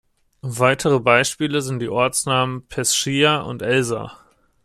Weitere Beispiele sind die Ortsnamen "Pescia" und "Elsa".